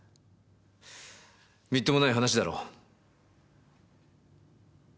みっともない話だろ。